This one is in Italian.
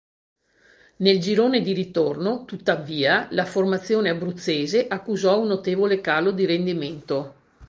Nel girone di ritorno, tuttavia, la formazione abruzzese accusò un notevole calo di rendimento.